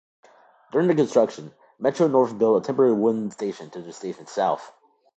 During the construction, Metro-North built a temporary wooden station to the station's south.